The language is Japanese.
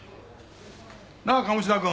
なあ鴨志田君。